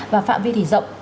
và phạm vi thì rộng